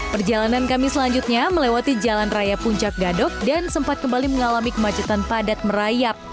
perjalanan kami selanjutnya melewati jalan raya puncak gadok dan sempat kembali mengalami kemacetan padat merayap